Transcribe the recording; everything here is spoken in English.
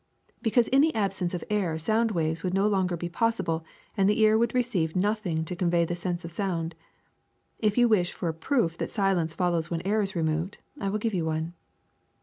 Because in the absence of air sound waves would no longer be possible and the ear would receive nothing to convey the sense of sound. If you wish for a proof that silence follows when air is removed, I will give you one.